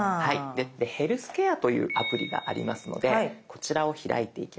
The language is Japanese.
で「ヘルスケア」というアプリがありますのでこちらを開いていきます。